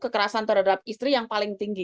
kekerasan terhadap istri itu selalu yang paling tinggi